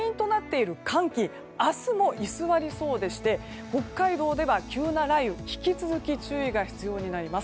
そしてこの原因となっている寒気明日も居座りそうでして北海道では急な雷雨に引き続き注意が必要になります。